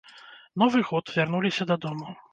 Новы год, вярнуліся дадому.